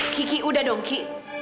ki ki udah dong ki